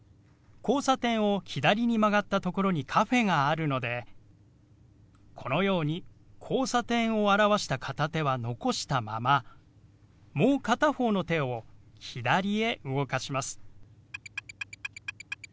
交差点を左に曲がった所にカフェがあるのでこのように「交差点」を表した片手は残したままもう片方の手を左へ動かします。